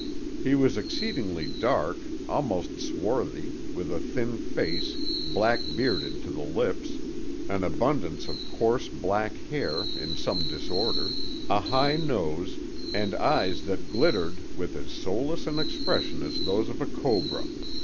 He was exceedingly dark, almost swarthy, with a thin face, black bearded to the lips, an abundance of coarse black hair in some disorder, a high nose and eyes that glittered with as soulless an expression as those of a cobra.